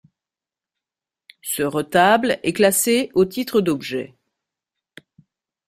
Ce retable est classé au titre d'objet.